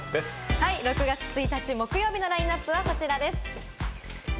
６月１日、木曜日のラインナップはこちらです。